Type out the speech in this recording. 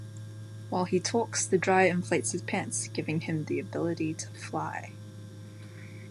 While he talks, the dryer inflates his pants, giving him the ability to fly.